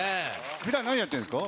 普段何やってるんですか？